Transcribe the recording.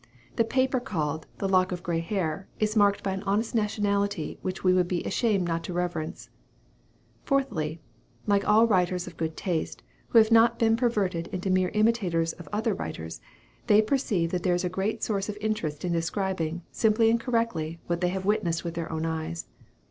The paper called "The Lock of Gray Hair" is marked by an honest nationality, which we would be ashamed not to reverence. Fourthly like all writers of good natural taste, who have not been perverted into mere imitators of other writers, they perceive that there is a great source of interest in describing, simply and correctly, what they have witnessed with their own eyes.